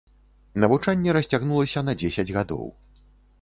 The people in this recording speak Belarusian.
Навучанне расцягнулася на дзесяць гадоў.